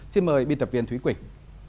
xin mời biên tập viên thúy quỳnh